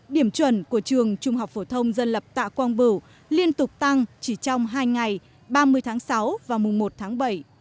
điểm chuẩn của trường trung học phổ thông dân lập tạ quang bửu liên tục tăng chỉ trong hai ngày ba mươi tháng sáu và mùng một tháng bảy